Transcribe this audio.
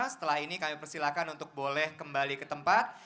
setelah ini kami persilahkan untuk boleh kembali ke tempat